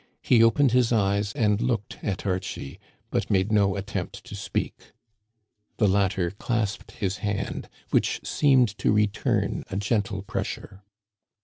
He opened his eyes and looked at Archie, but made no attempt to speak. The latter clasped his hand, which seemed to return a gentle pressure.